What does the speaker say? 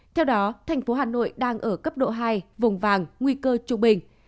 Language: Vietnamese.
theo đó thành phố hà nội đang ở cấp độ hai vùng vàng nguy cơ trung bình